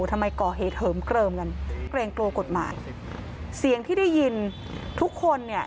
ทำไมก่อเหตุเหิมเกลิมกันเกรงกลัวกฎหมายเสียงที่ได้ยินทุกคนเนี่ย